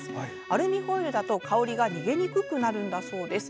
アルミホイルだと香りが逃げにくくなるんだそうです。